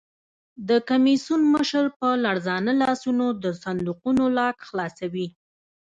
د کمېسیون مشر په لړزانه لاسونو د صندوقونو لاک خلاصوي.